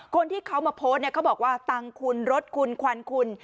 คนที่เขามาโพสต์เนี่ยเขาบอกว่าตังค์คุณรถคุณควันคุณ